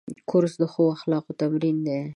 کورس د ښو اخلاقو تمرین دی.